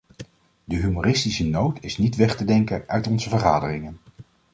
De humoristische noot is niet weg te denken uit onze vergaderingen.